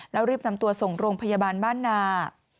แล้วรีบนำตัวส่งโรงพยาบาลบ้านนา